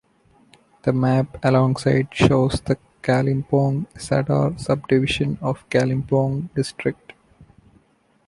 The map alongside shows the Kalimpong Sadar subdivision of Kalimpong district.